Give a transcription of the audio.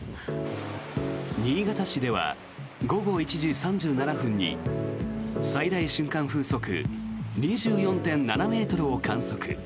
新潟市では午後１時３７分に最大瞬間風速２４．７ｍを観測。